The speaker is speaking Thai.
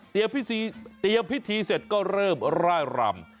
เตรียมพิธีเสร็จก็เริ่มร่ายรำ